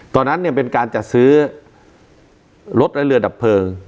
ตอนนั้นเนี่ยเป็นการจัดซื้อรถและเรือดับเพลิง